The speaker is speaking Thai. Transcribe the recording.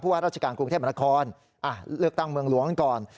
เพราะว่าราชการกรุงเทพมนาคอลเลือกตั้งเมืองหลวงก่อน